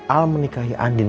al menikahi andien